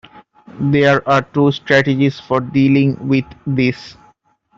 There are two strategies for dealing with this.